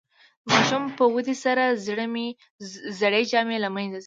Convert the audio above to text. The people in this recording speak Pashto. د ماشوم په ودې سره زړې جامې له منځه ځي.